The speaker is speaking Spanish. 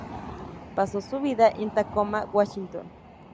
Pasó su vida en Tacoma, Washington.